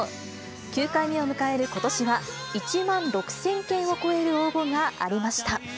９回目を迎えることしは、１万６０００件を超える応募がありました。